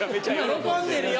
喜んでるよ！